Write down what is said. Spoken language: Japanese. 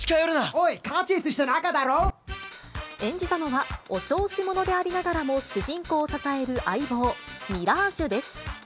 おい、カーチェースした仲だ演じたのは、お調子者でありながらも主人公を支える相棒、ミラージュです。